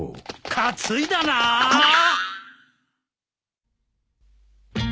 担いだなー！